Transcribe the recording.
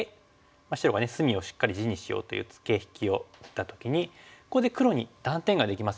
白が隅をしっかり地にしようというツケ引きを打った時にここで黒に断点ができますよね。